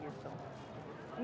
ini saya sudah siapkan ya